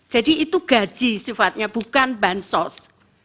jadi itu gaji sifatnya bukan bansos